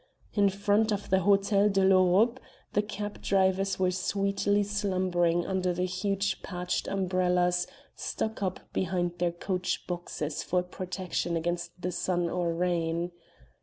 In front of the Hotel de l'Europe the cab drivers were sweetly slumbering under the huge patched umbrellas stuck up behind their coach boxes for protection against the sun or rain.